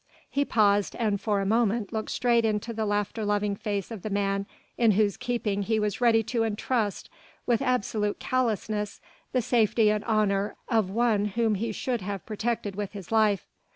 He paused and for a moment looked straight into the laughter loving face of the man in whose keeping he was ready to entrust with absolute callousness the safety and honour of one whom he should have protected with his life.